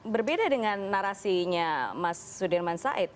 berbeda dengan narasinya mas sudirman said